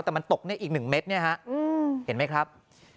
แต่มันตกเนี่ยอีกหนึ่งเม็ดเนี่ยฮะอืมเห็นไหมครับ